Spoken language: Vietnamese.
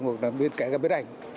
hoặc là bên kia các bếp ảnh